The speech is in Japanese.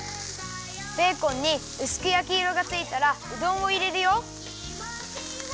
ベーコンにうすくやきいろがついたらうどんをいれるよ。